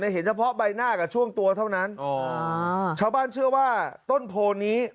เห็นเฉพาะใบหน้ากับช่วงตัวเท่านั้นอ๋อชาวบ้านเชื่อว่าต้นโพนี้